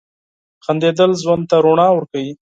• خندېدل ژوند ته رڼا ورکوي.